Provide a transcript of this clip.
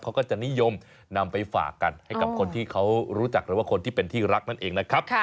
เขาก็จะนิยมนำไปฝากกันให้กับคนที่เขารู้จักหรือว่าคนที่เป็นที่รักนั่นเองนะครับ